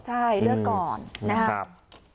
ใช่เลือกก่อนนะครับ